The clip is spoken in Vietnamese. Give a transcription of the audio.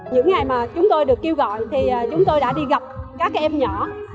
những ngày mà chúng tôi được kêu gọi thì chúng tôi đã đi gặp các em nhỏ